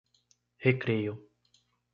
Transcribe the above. Recreio